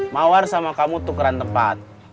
mawar sama kamu tukeran tepat